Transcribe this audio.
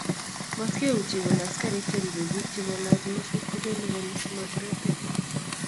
mat kee utie kole askarik cheripe bik che malachi maskit ko kelipani simakiratin